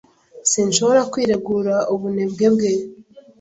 Sinshobora kwiregura ubunebwe bwe.